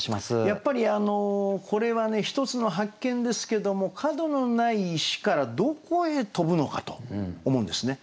やっぱりこれはね一つの発見ですけども角のない石からどこへ飛ぶのかと思うんですね。